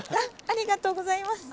ありがとうございます。